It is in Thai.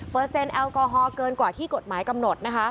เปอร์เซ็นต์แอลกอฮอล์เกินกว่าที่กฎหมายกำหนด